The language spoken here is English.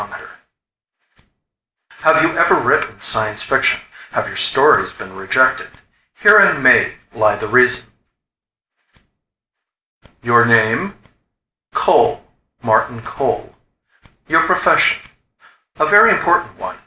net Have you ever written science fiction? Have your stories been rejected? Herein may lie the reason. The Smiler By Albert Hernhunter "Your name?" "Cole. Martin Cole." "Your profession?" "A very important one.